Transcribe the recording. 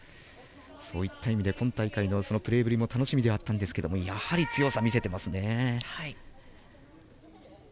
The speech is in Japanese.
そういった意味で今大会もプレーぶりも楽しみではあったんですけどやはり強さを見せてますね。